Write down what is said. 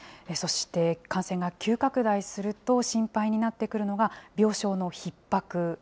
そして感染が急拡大すると、心配になってくるのが、病床のひ